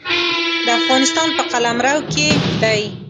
د افغانستان په قلمرو کې دی.